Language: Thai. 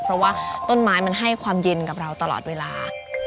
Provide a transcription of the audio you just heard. เพราะว่าต้นไม้มันให้ความเย็นกับเราตลอดเวลา